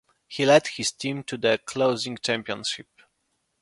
He led his team to the "closing" championship.